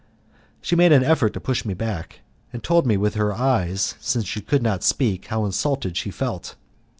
She made an effort to push me back, and told me with her eyes, since she could not speak, how insulted she felt.